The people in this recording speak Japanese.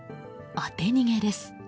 当て逃げです。